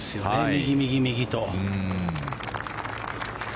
右、右、右と。